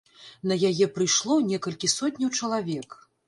На яе прыйшло некалькі сотняў чалавек.